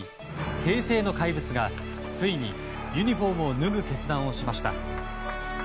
平成の怪物がついにユニホームを脱ぐ決断をしました。